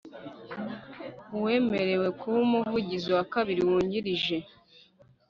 Uwemerewe kuba Umuvugizi wa Kabiri Wungirije